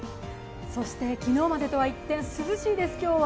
そして昨日までとは一転、涼しいです今日は。